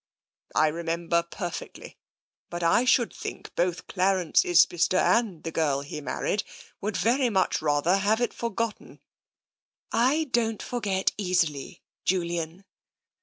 " I remember perfectly, but I should think both Clarence Isbister and the girl he married would .very much rather have it forgotten." I don't forget easily, Julian."